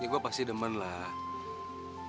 ya gue pasti demen lah